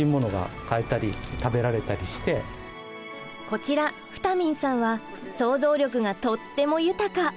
こちらフタミンさんは想像力がとっても豊か！